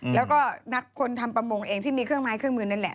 แล้วก็นักคนทำประมงเองที่มีเครื่องไม้เครื่องมือนั่นแหละ